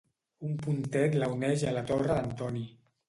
Un pontet la uneix a la Torre d'Antoni.